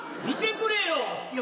見てくれよ。